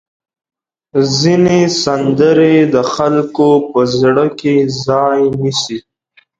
ځینې سندرې د خلکو په زړه کې ځای نیسي.